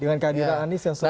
dengan kadira anies yang selalu